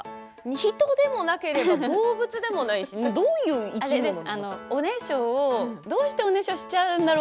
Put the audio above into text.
人でもなければ動物でもないしどういう生き物ですか？